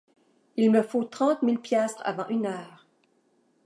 Il me faut trente mille piastres avant une heure.